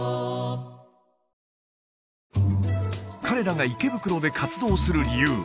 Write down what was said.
彼らが池袋で活動する理由